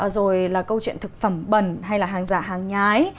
rồi là câu chuyện thực phẩm bẩn hay là hàng giả hàng nhái